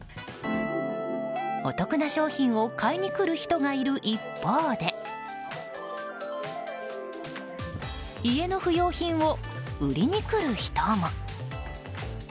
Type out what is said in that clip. お得な商品を買いに来る人がいる一方で家の不用品を売りに来る人も。